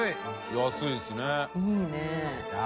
安いですね。